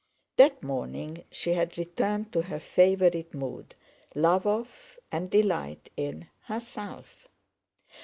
That morning she had returned to her favorite mood—love of, and delight in, herself.